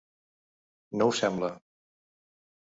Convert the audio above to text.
No ho sembla